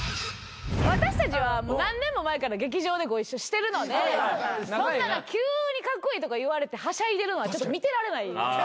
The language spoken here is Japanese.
私たちは何年も前から劇場でご一緒してるので急にカッコイイとか言われてはしゃいでるのはちょっと見てられない。